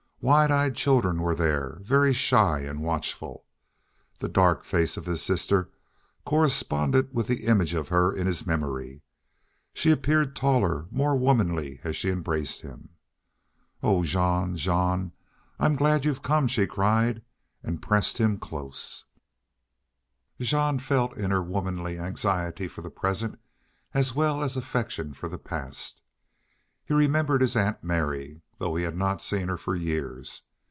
Wide eyed children were there, very shy and watchful. The dark face of his sister corresponded with the image of her in his memory. She appeared taller, more womanly, as she embraced him. "Oh, Jean, Jean, I'm glad you've come!" she cried, and pressed him close. Jean felt in her a woman's anxiety for the present as well as affection for the past. He remembered his aunt Mary, though he had not seen her for years.